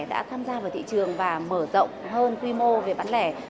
đã tham gia vào thị trường và mở rộng hơn quy mô về bán lẻ